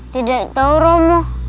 tidak tahu romo